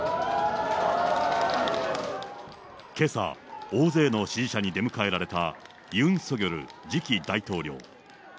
けさ、大勢の支持者に出迎えられたユン・ソギョル次期大統領。